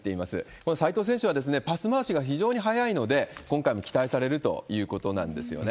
この齋藤選手はパス回しが非常に速いので、今回も期待されるということなんですよね。